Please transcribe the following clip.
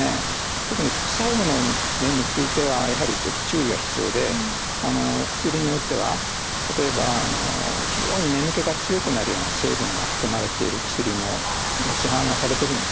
特に副作用の面についてはやはりちょっと注意が必要で薬によっては例えば非常に眠気が強くなるような成分が含まれている薬も市販はされてるんですね。